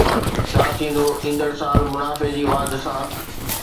ڇا ٿيندو ايندڙ سال منافعي جي واڌ سان؟